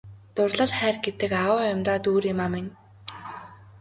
Дурлал хайр гэдэг агуу юм даа Дүүриймаа минь!